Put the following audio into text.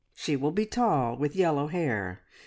"She will be tall, with yellow hair.